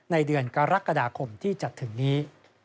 ในเดือนกรกฎาคมที่จะถึงนี้